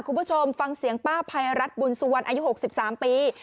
คุณผู้ชมฟังเสียงป้าภัยรัฐบุญสุวรรณอายุ๖๓ปี